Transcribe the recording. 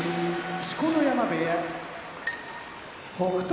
錣山部屋北勝